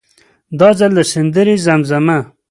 دا ځل د سندرې زمزمه.